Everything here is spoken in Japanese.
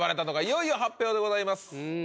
いよいよ発表でございます